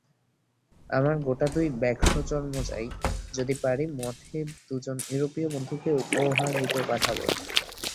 আমার গোটা দুই ব্যাঘ্রচর্ম চাই, যদি পারি মঠে দুজন ইউরোপীয় বন্ধুকে উপহাররূপে পাঠাব।